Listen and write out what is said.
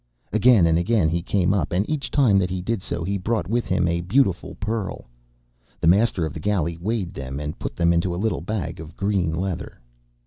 Again and again he came up, and each time that he did so he brought with him a beautiful pearl. The master of the galley weighed them, and put them into a little bag of green leather.